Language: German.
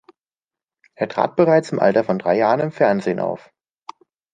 Er trat bereits im Alter von drei Jahren im Fernsehen auf.